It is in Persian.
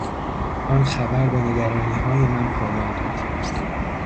آن خبر به نگرانیهای من پایان داد.